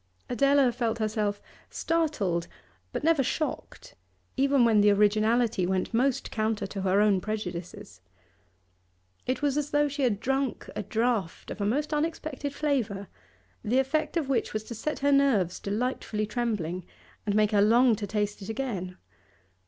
Adela felt herself startled, but never shocked, even when the originality went most counter to her own prejudices; it was as though she had drunk a draught of most unexpected flavour, the effect of which was to set her nerves delightfully trembling, and make her long to taste it again.